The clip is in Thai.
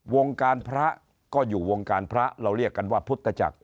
วงการพระก็อยู่วงการพระเราเรียกกันว่าพุทธจักร